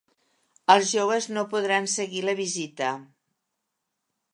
Els joves no podran seguir la visita.